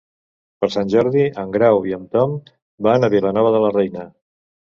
Per Sant Jordi en Grau i en Tom van a Vilanova de la Reina.